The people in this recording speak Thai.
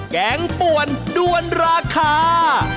แกงป่วนด้วนราคา